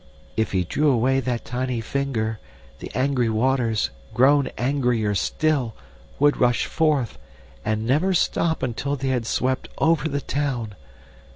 If he drew away that tiny finger, the angry waters, grown angrier still, would rush forth, and never stop until they had swept over the town.